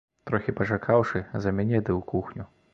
Трохі пачакаўшы, за мяне ды ў кухню.